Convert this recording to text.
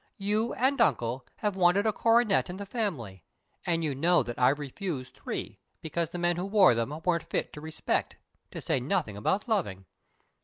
"You and Uncle have wanted a coronet in the family, and you know that I've refused three, because the men who wore them weren't fit to respect, to say nothing about loving.